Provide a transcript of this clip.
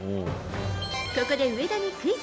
ここで上田にクイズ。